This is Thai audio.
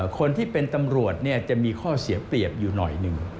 คนที่เป็นตำรวจจะมีข้อเสียเปรียบอยู่หน่อยหนึ่ง